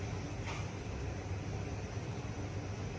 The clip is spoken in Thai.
ติดลูกคลุม